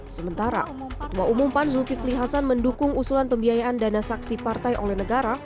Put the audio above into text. sementara ketua umum pan zulkifli hasan mendukung usulan pembiayaan dana saksi partai oleh negara